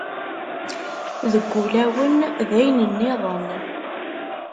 Deg ulawen d ayen nniḍen.